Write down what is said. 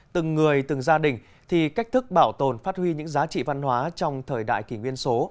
từng người từng gia đình thì cách thức bảo tồn phát huy những giá trị văn hóa trong thời đại kỷ nguyên số